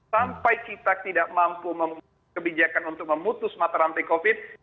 sampai kita tidak mampu membuat kebijakan untuk memutus mata rantai covid